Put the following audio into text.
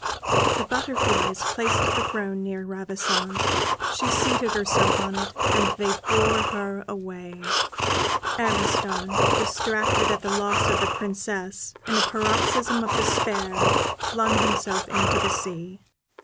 The butterflies placed the throne near Ravissante; she seated herself on it, and they bore her away. Ariston, distracted at the loss of the Princess, in a paroxysm of despair, flung himself into the sea.